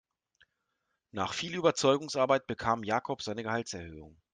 Nach viel Überzeugungsarbeit bekam Jakob seine Gehaltserhöhung.